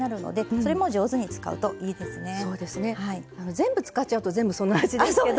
全部使っちゃうと全部その味ですけど。